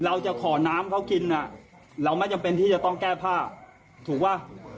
เราจะขอน้ำเขากินน่ะเราไม่จำเป็นที่จะต้องแก้ผ้าถูกป่ะ